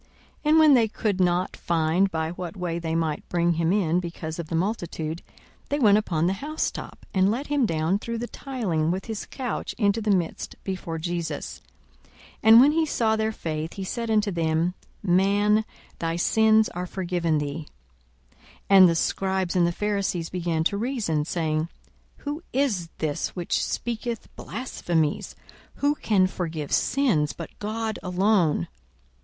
42:005:019 And when they could not find by what way they might bring him in because of the multitude, they went upon the housetop, and let him down through the tiling with his couch into the midst before Jesus. 42:005:020 And when he saw their faith, he said unto him, Man, thy sins are forgiven thee. 42:005:021 And the scribes and the Pharisees began to reason, saying, Who is this which speaketh blasphemies? Who can forgive sins, but God alone?